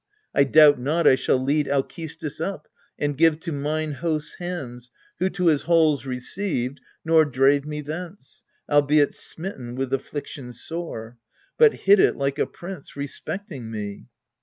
I doubt not I shall lead Alcestis up, and give to mine host's hands, Who to his halls received, nor drave me thence, Albeit smitten with affliction sore, But hid it, like a prince, respecting me.